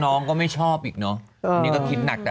น้องก็ไม่ชอบอีกเนาะ